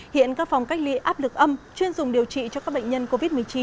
hiện các phòng cách ly áp lực âm chuyên dùng điều trị cho các bệnh nhân covid một mươi chín